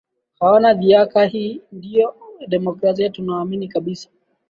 hawana dhiaka hii hiyo ndiyo demokrasia na tunaamini kabisa